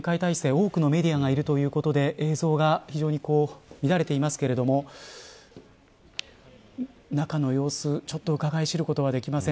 多くのメディアがいるということで映像が非常に乱れていますが中の様子、ちょっとうかがい知ることができません。